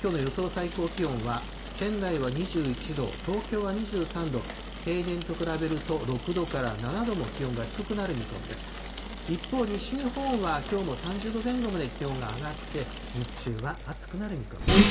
最高気温は、仙台は２１度、東京は２３度、平年と比べると６度から７度も気温が低くなる見込みです。